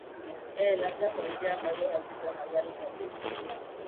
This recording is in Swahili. ee labda kwa njia ambazo hazikuwa halali kabisa